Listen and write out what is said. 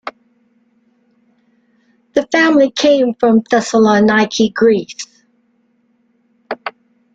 The family came from Thessaloniki, Greece.